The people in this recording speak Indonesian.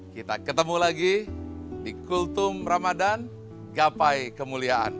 kita ketemu lagi di kultum ramadhan gapai kemuliaan